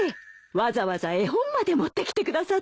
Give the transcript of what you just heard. わざわざ絵本まで持ってきてくださって。